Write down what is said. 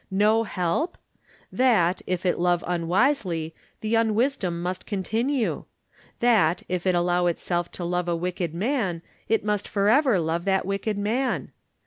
no help ? that, if it love unwisely, the unwisdom must continue ? that, if it allow itself to love a wicked man, it must forever love that wicked man